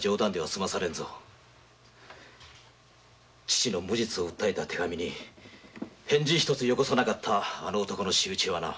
父の無実を訴えた手紙に返事１つよこさなかったあの男の仕打ちはな。